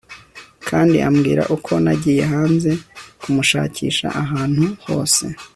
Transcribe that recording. kandi ambwira uko nagiye hanze kumushakisha ahantu hose ..